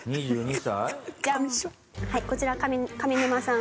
こちら上沼さん。